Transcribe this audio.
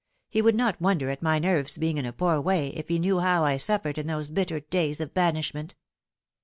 He would not wonder at my nerves being in a poor way if he knew how I suffered in those bitter days of banishment."